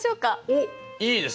おっいいですね！